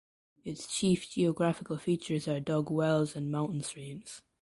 Its chief geographical features are dug wells and mountain streams.